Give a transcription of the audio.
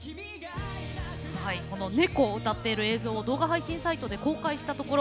この「猫」を歌っている映像を動画配信サイトで公開したところ